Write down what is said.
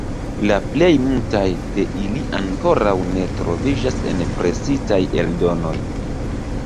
La plej multaj de ili ankoraŭ ne troviĝas en presitaj eldonoj.